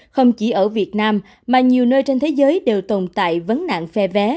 không chỉ ở việt nam mà nhiều nơi trên thế giới đều tồn tại vấn nạn phe vé